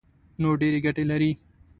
نو ډېرې ګټې لري.